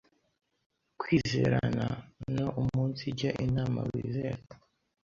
Kwizerana no umunsijya inama wiz era